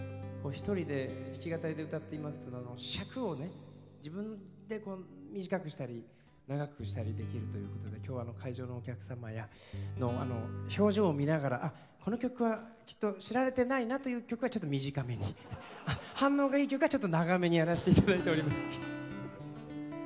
１人で弾き語りで歌っていますと尺を自分で短くしたり長くしたりできるということで今日は会場のお客様や表情を見ながらあ、この曲はきっと知られてないなという曲はちょっと短めに反応がいい曲は長めにやらせていた出しております。